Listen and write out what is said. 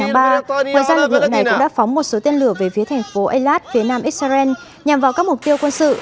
ngoài ra lực lượng này cũng đã phóng một số tên lửa về phía thành phố elad phía nam israel nhằm vào các mục tiêu quân sự